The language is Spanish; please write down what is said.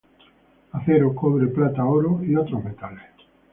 Acero, cobre, plata, oro y otros metales.